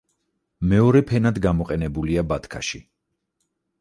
მეორე ფენად გამოყენებულია ბათქაში.